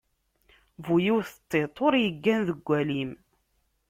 Bu yiwet n tiṭ, ur iggan deg walim.